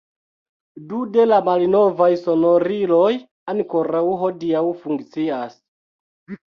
Du de la malnovaj sonoriloj ankoraŭ hodiaŭ funkcias.